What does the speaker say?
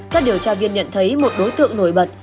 các điều tra viên nhận thấy một đối tượng nổi bật